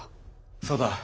そうだ。